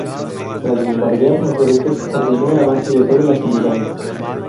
Tras bombardear los reductos ordenó el avance de todas las unidades.